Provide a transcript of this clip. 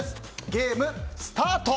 ゲーム、スタート！